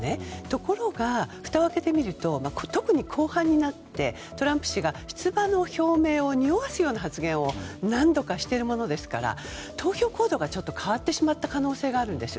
ところが、ふたを開けてみると特に後半になってトランプ氏が、出馬の表明をにおわすような発言を何度かしているものですから投票行動がちょっと変わってしまった可能性があるんです。